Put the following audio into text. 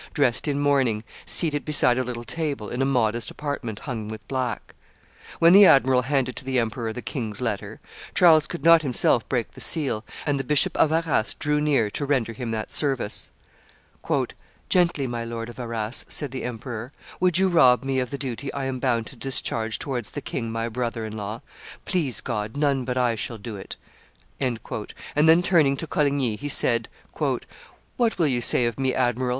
dressed in mourning, seated beside a little table, in a modest apartment hung with black. When the admiral handed to the emperor the king's letter, Charles could not himself break the seal, and the Bishop of Arras drew near to render him that service. "Gently, my Lord of Arras," said the emperor; "would you rob me of the duty I am bound to discharge towards the king my brother in law? Please God, none but I shall do it;" and then turning to Coligny, he said, "What will you say of me, admiral?